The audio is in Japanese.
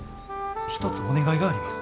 一つお願いがあります。